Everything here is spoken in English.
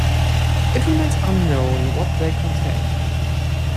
It remains unknown what they contained.